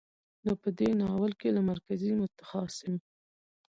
نو په دې ناول کې له مرکزي، متخاصم،